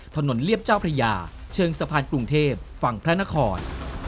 เรียบเจ้าพระยาเชิงสะพานกรุงเทพฝั่งพระนคร